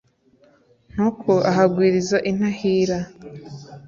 ntuku ahagwiriza intahira.